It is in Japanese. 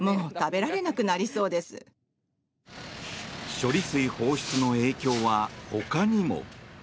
処理水放出の影響はほかにも。